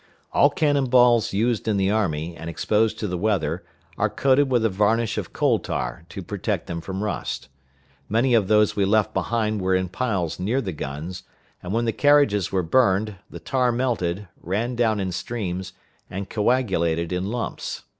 All cannon balls used in the army, and exposed to the weather, are coated with a varnish of coal tar, to protect them from rust. Many of those we left behind were in piles near the guns, and when the carriages were burned, the tar melted, ran down in streams, and coagulated in lumps.